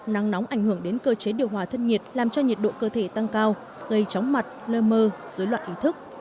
nắng nóng ảnh hưởng đến cơ chế điều hòa thân nhiệt làm cho nhiệt độ cơ thể tăng cao gây chóng mặt lơ mơ dối loạn ý thức